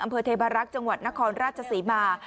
อำเภอเทบารักษ์จังหวัดนครราชศรีมา